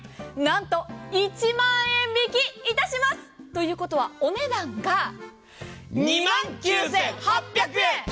なんと１万円引きいたしますということは、お値段が２万９８００円！